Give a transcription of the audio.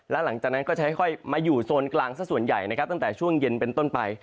แล้วหลังจากนั้นก็จะค่อยมาอยู่โซนกลางสักส่วนใหญ่นะครับตั้งแต่ช่วงเย็นเป็นต้นไป